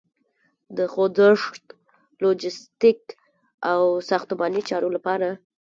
د خوځښت، لوژستیک او ساختماني چارو لپاره